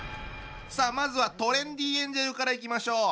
さあまずはトレンディエンジェルからいきましょう。